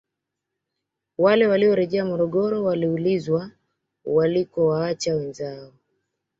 Wale waliorejea Morogoro waliulizwa walikowaacha wenzao